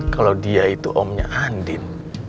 kalau dia itu omnya andin